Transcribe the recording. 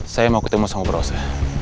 saya mau ketemu sang brosa